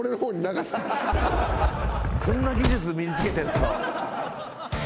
そんな技術身に付けてんすか。